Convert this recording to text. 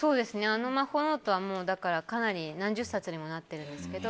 あのマホノートはかなり何十冊にもなってるんですけど。